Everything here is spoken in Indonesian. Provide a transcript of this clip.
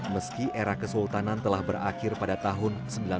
meski era kesultanan telah berakhir pada tahun seribu sembilan ratus sembilan puluh